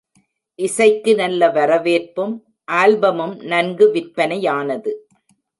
இசைக்கு நல்ல வரவேற்பும் ஆல்பமும் நன்கு விற்பனையானது.